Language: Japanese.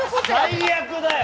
最悪だよ！